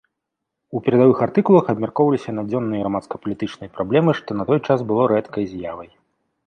У перадавых артыкулах абмяркоўваліся надзённыя грамадска-палітычныя праблемы, што на той час было рэдкай з'явай.